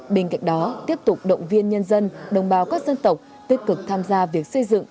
bên cạnh đó tiếp tục động viên nhân dân đồng bào các dân tộc tích cực tham gia việc xây dựng